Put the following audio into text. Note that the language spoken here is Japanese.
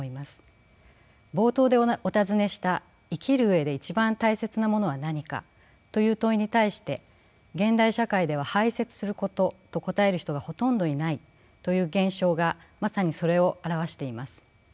冒頭でお尋ねした「生きる上で一番大切なものは何か」という問いに対して現代社会では排泄することと答える人がほとんどいないという現象がまさにそれを表しています。